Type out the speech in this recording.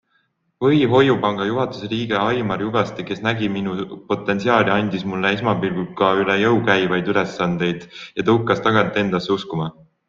Või Hoiupanga juhatuse liige Aimar Jugaste, kes nägi minu potentsiaali, andis mulle esmapilgul ka üle jõu käivaid ülesandeid ja tõukas tagant endasse uskuma.